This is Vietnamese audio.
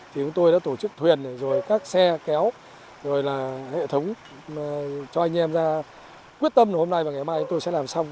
thì chúng tôi đã tổ chức thuyền rồi các xe kéo rồi là hệ thống cho anh em ra quyết tâm hôm nay và ngày mai chúng tôi sẽ làm xong